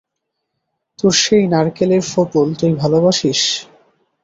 তোর সেই নারকেলের ফোঁপল-তুই ভালোবাসিস?